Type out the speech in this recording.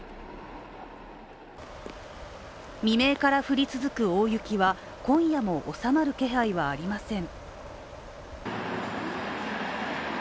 未明から降り続く大雪は今夜も収まる気配はありません。